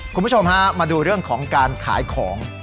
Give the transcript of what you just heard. คุณผู้ชมฮะมาดูเรื่องของการขายของ